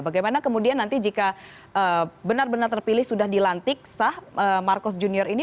bagaimana kemudian nanti jika benar benar terpilih sudah dilantik sah marcos junior ini